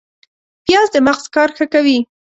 پیاز د مغز کار ښه کوي